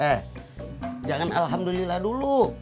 eh jangan alhamdulillah dulu